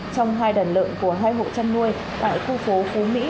trong hai đàn lợn của hai hộ chăn nuôi tại khu phố phú mỹ